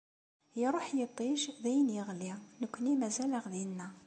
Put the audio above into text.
Iṛuḥ yiṭij d ayen yeɣli, nekkni mazal-aɣ dinna.